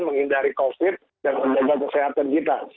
menghindari covid dan menjaga kesehatan kita